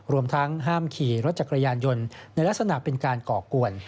รวมทั้งห้ามขี่รถจักรยานยนต์ในลักษณะเป็นการก่อกวน